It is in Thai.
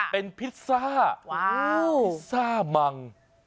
เป็นพิซซ่าพิซซ่ามัง